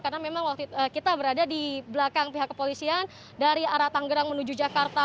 karena memang kita berada di belakang pihak kepolisian dari arah tanggrang menuju jakarta